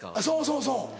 そうそうそう。